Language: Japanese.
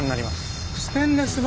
ステンレス板。